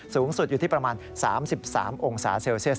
สูงสุดอยู่ที่ประมาณ๓๓องศาเซลเซียส